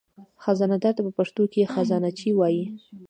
خزانهدار ته په پښتو کې خزانهچي وایي.